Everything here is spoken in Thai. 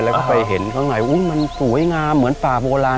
แล้วก็ไปเห็นข้างในมันสวยงามเหมือนป่าโบราณ